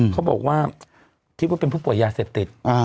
เขาบอกว่าคิดว่าเป็นผู้ป่วยยาเสพติด